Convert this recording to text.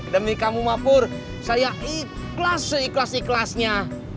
demi kamu mak pur saya ikhlas seikhlas ikhlasnya